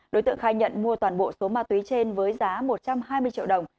đối tượng khai nhận mua toàn bộ số ma túy trên với giá một trăm hai mươi triệu đồng